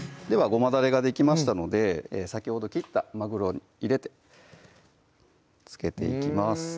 ごまだれができましたので先ほど切ったまぐろを入れて漬けていきます